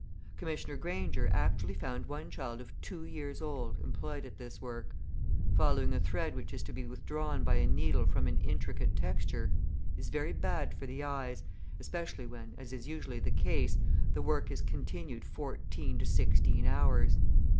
Commissioner Grainger actually found one child of two years old employed at this work. Following a thread which is to be withdrawn by a needle from an intricate texture, is very bad for the eyes, especially when, as is usually the case, the work is continued fourteen to sixteen hours.